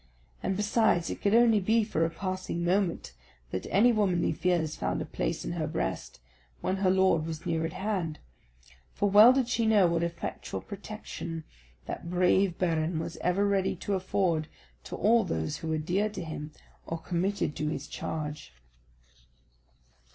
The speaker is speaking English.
And besides, it could only be for a passing moment that any womanly fears found a place in her breast when her lord was near at hand, for well did she know what effectual protection that brave Baron was ever ready to afford to all those who were dear to him, or committed to his charge.